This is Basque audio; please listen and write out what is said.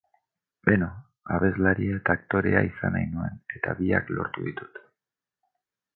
Beno, abeslaria eta aktorea izan nahi nuen, eta biak lortu ditut.